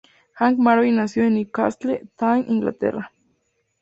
Hank Marvin nació en Newcastle, Tyne, Inglaterra.